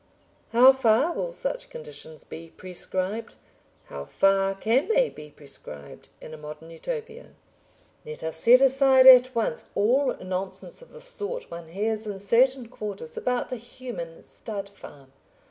How far will such conditions be prescribed? how far can they be prescribed in a Modern Utopia? Let us set aside at once all nonsense of the sort one hears in certain quarters about the human stud farm.